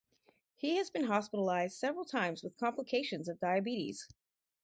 He has been hospitalised several times with complications of diabetes.